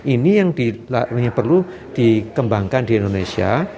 ini yang perlu dikembangkan di indonesia